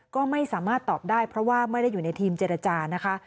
ก็ไม่สามารถตอบได้เพราะว่าไม่ได้อยู่ในทีมเจรจานะคะ